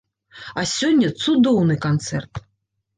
А сёння цудоўны канцэрт.